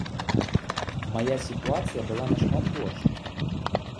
Мая сітуацыя была нашмат горш.